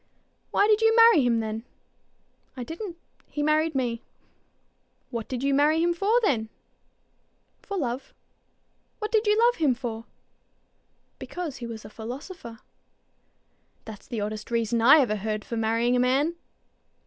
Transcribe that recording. "Why did you marry him then?" "I didn't. He married me." "What did you marry him for then?" "For love." "What did you love him for?" "Because he was a philosopher." "That's the oddest reason I ever heard for marrying a man."